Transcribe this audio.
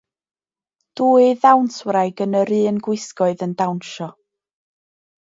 Dwy ddawnswraig yn yr un gwisgoedd yn dawnsio.